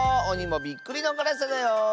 おにもびっくりのからさだよ。